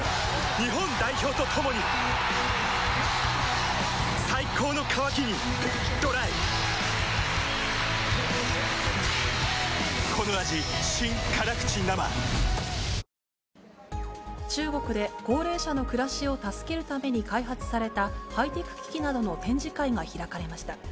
日本代表と共に最高の渇きにＤＲＹ中国で高齢者の暮らしを助けるために開発された、ハイテク機器などの展示会が開かれました。